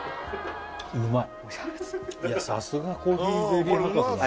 うまい